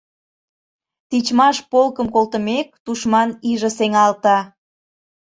Тичмаш полкым колтымек, тушман иже сеҥалте.